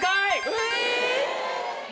え！